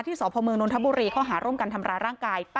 ที่สมนทบุรีข้อหาร่วมการทำร้ายร่างกาย